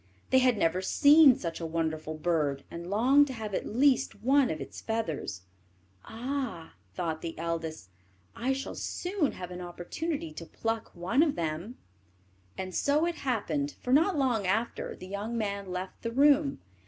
They had never seen such a wonderful bird, and longed to have at least one of its feathers. "Ah," thought the eldest, "I shall soon have an opportunity to pluck one of them;" and so it happened, for not long after the young man left the room.